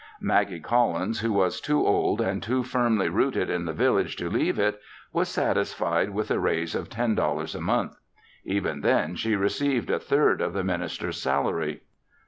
Maggie Collins, who was too old and too firmly rooted in the village to leave it, was satisfied with a raise of ten dollars a month. Even then she received a third of the minister's salary.